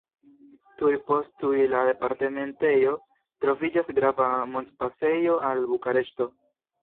Tuj post tuj la departementejo troviĝas grava montpasejo al Bukareŝto.